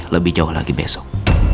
lebih jauh lagi besok